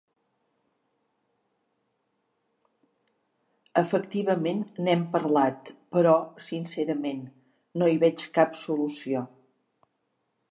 Efectivament, n'hem parlat, però, sincerament, no hi veig cap solució.